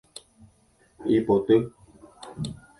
Ipoty.